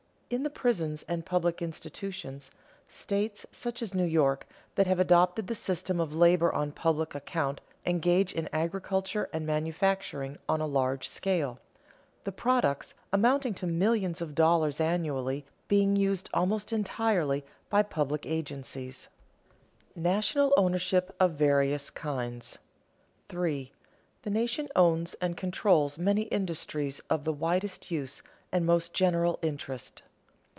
In the prisons and public institutions, states, such as New York, that have adopted the system of labor on public account engage in agriculture and manufacturing on a large scale, the products, amounting to millions of dollars annually, being used almost entirely by public agencies. [Sidenote: National ownership of various kinds] 3. _The nation owns and controls many industries of the widest use and most general interest.